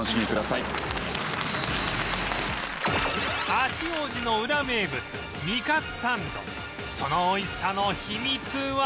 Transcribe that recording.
八王子のウラ名物煮かつサンドその美味しさの秘密は